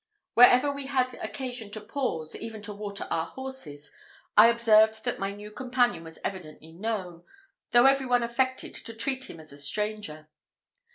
Wherever we had occasion to pause, even to water our horses, I observed that my new companion was evidently known, though every one affected to treat him as a stranger.